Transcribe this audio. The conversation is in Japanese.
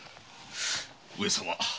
上様。